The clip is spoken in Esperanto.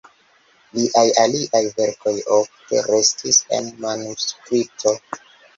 Liaj aliaj verkoj ofte restis en manuskripto.